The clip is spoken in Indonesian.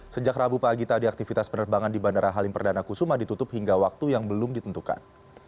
sejak rabu pagi tadi aktivitas penerbangan di bandara halim perdana kusuma ditutup hingga waktu yang belum ditentukan